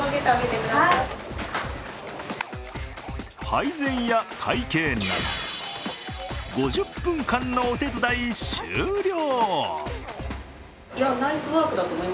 配膳や会計など５０分間のお手伝い終了。